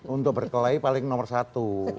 untuk berkelahi paling nomor satu